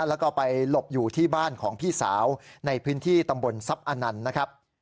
แล้วก็ไปหลบอยู่ที่บ้านของพี่สาวในพื้นที่ตำบลทรัพย์อนันต์นะครับ